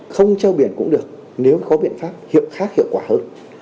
không treo biển cũng được nếu có biện pháp hiệu khác hiệu quả hơn